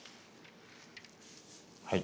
はい。